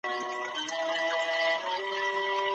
خلګو په خوښیو کي ګډون کاوه.